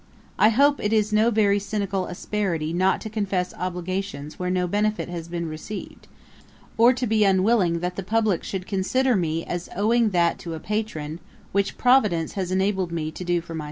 I hope it is no very cynical asperity not to confess obligations where no benefit has been received, or to be unwilling that the Publick should consider me as owing that to a Patron, which Providence has enabled me to do for myself.